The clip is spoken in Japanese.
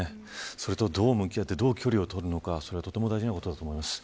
それとどう向き合ってどう距離を取るのかとても大事なことだと思います。